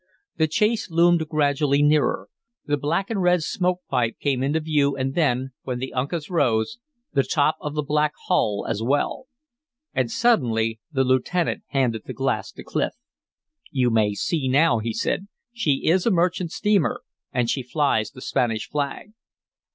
The chase loomed gradually nearer. The black and red smoke pipe came into view, and then, when the Uncas rose, the top of the black hull as well. And suddenly the lieutenant handed the glass to Clif. "You may see now," he said. "She is a merchant steamer, and she flies the Spanish flag."